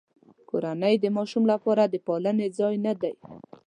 کورنۍ د ماشوم لپاره د پالنې ځای نه دی.